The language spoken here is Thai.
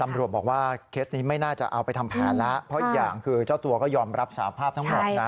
ตำรวจบอกว่าเคสนี้ไม่น่าจะเอาไปทำแผนแล้วเพราะอีกอย่างคือเจ้าตัวก็ยอมรับสาภาพทั้งหมดนะ